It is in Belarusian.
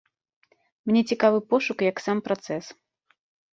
Мне цікавы пошук як сам працэс.